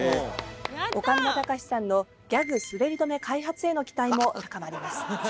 岡村隆史さんのギャグ滑り止め開発への期待も高まります。